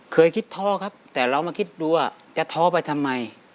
เคยคิดท้อครับแต่เรามาคิดดูว่าจะท้อไปทำไม